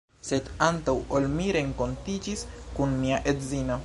Sed antaŭ ol mi renkontiĝis kun mia edzino